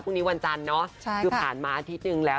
พรุ่งนี้วันจันทร์เนาะคือผ่านมาอาทิตย์นึงแล้ว